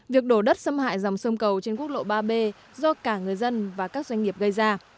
việc đổ đất xâm hại dòng sông cầu trên quốc lộ ba b do cả người dân và các doanh nghiệp gây ra